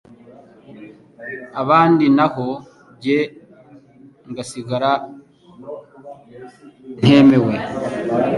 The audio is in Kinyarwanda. abandi naho jye ngasigara ntemewe.”